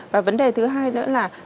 và vấn đề thứ hai nữa là